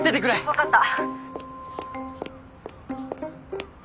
分かった。